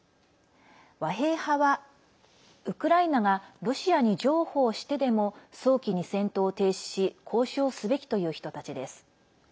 和平派はウクライナがロシアに譲歩をしてでも早期に戦闘を停止し交渉すべきという人たちです。